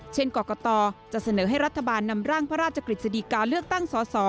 เช่นกรกตจะเสนอให้รัฐบาลนำร่างพระราชกฤษฎีกาเลือกตั้งสส